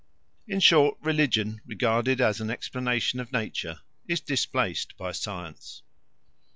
In short, religion, regarded as an explanation of nature, is displaced by science.